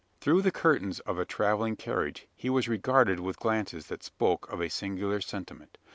Through the curtains of the travelling carriage he was regarded with glances that spoke of a singular sentiment.